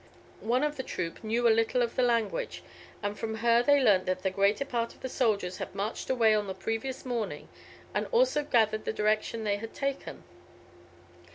One of the troop knew a little of the language, and from her they learnt that the greater part of the soldiers had marched away on the previous morning, and also gathered the direction they had taken.